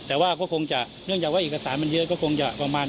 แต่ว่าเพราะว่าเอกสารมันเยอะก็คงจะประมาณละ๖๐วัน